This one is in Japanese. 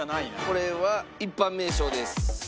これは一般名称です。